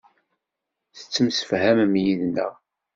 Tettemsefhamem yid-neɣ.